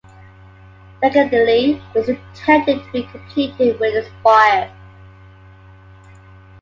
Secondly, it was intended to be completed with a spire.